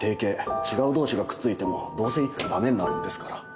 違う同士がくっついてもどうせいつか駄目になるんですから